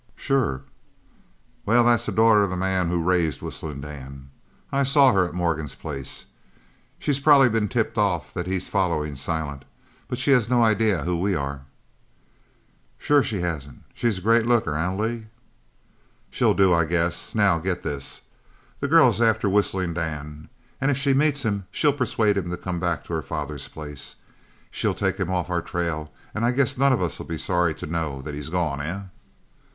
"Sure." "Well, that's the daughter of the man that raised Whistling Dan. I saw her at Morgan's place. She's probably been tipped off that he's following Silent, but she has no idea who we are." "Sure she hasn't. She's a great looker, eh, Lee?" "She'll do, I guess. Now get this: The girl is after Whistling Dan, and if she meets him she'll persuade him to come back to her father's place. She'll take him off our trail, and I guess none of us'll be sorry to know that he's gone, eh?"